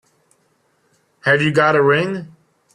Have you got a ring?